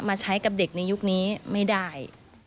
มาใช้กับเด็กในยุคนี้ไม่ได้